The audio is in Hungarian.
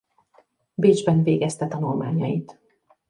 Bécsben végezte tanulmányait.